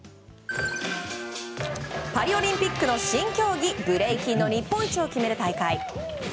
パリオリンピックの新競技ブレイキンの日本一を決める大会。